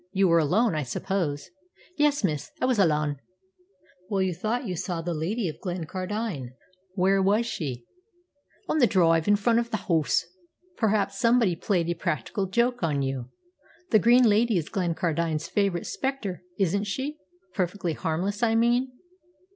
You were alone, I suppose?" "Yes, miss, I was alane." "Well, you thought you saw the Lady of Glencardine. Where was she?" "On the drive, in front o' the hoose." "Perhaps somebody played a practical joke on you. The Green Lady is Glencardine's favourite spectre, isn't she perfectly harmless, I mean?"